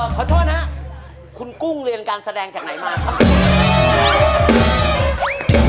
ขอโทษนะครับคุณกุ้งเรียนการแสดงจากไหนมาครับ